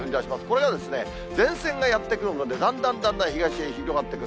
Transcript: これ、前線がやって来るので、だんだんだんだん東へ広がっていく。